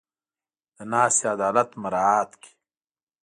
د ناستې عدالت مراعت کړي.